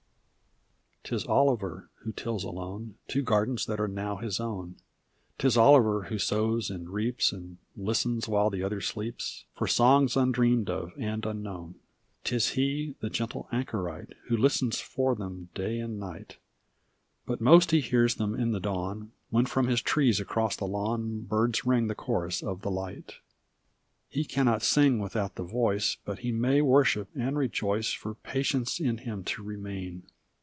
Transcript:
1120} *Tis Oliver who tills alone Two gardens that are now his own; *Tis Oliver who sows and reaps And listens, while the other sleeps, For songs undreamed of and unknown. *Tis he, the gentle anchorite, Who listens for them day and night; But most he hears them in the dawn. When from his trees across the lawn Birds ring the chorus of the light. He cannot sing without the voice. But he may worship and rejoice For patience in him to remain.